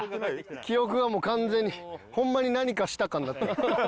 記憶がもう完全にホンマに「何かしたか？」になってる。